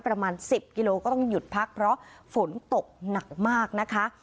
ประมาณ๑๐กิโลก็ต้องหยุดพักเพราะฝนตกหนักมากนะคะ